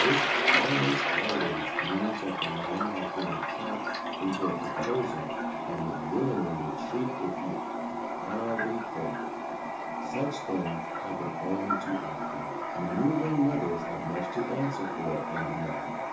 This almost always means that the man has been entrapped into a proposal, and would willingly retreat if he honourably could. Such things happen only too often. Manœuvring mothers have much to answer for in the matter.